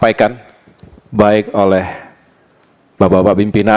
interupsi pak ketua pimpinan